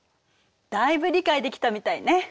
だいぶ理解できたみたいね。